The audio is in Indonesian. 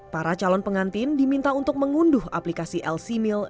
para calon pengantin diminta untuk mengunduh aplikasi lc mill